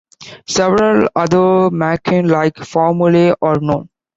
Several other Machin-like formulae are known.